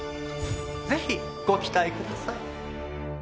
ぜひご期待ください。